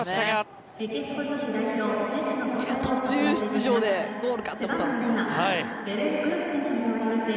途中出場でゴールかと思ったんですけど。